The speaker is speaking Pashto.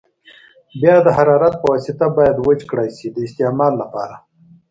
بیا د حرارت په واسطه باید وچ کړای شي د استعمال لپاره.